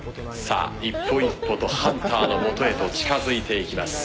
一歩一歩と、ハンターのもとへと近づいていきます。